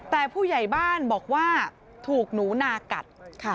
แต่ผู้ใหญ่บ้านบอกว่าถูกหนูนากัด